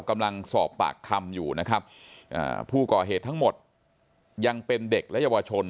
กำลังสอบปากคำอยู่นะครับผู้ก่อเหตุทั้งหมดยังเป็นเด็กและเยาวชน